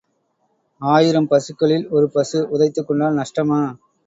ஆயிரம் பசுக்களில் ஒரு பசு உதைத்துக் கொண்டால் நஷ்டமா?